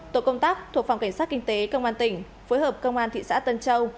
tổ công tác thuộc phòng cảnh sát kinh tế công an tỉnh phối hợp công an thị xã tân châu